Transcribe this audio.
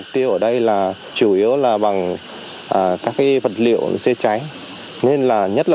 điều hành động của bác hồ